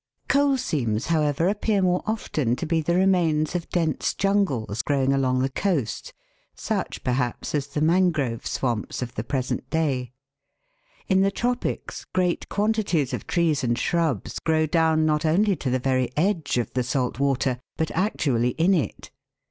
Coal seams, however, appear more often to be the remains of dense jungles growing along the coast, such, VEGETATION OF COAL PERIOD. 185 perhaps, as the mangrove swamps of the present day. In the tropics great quantities of trees and shrubs grow down not only to the very edge of the salt water, but actually in it.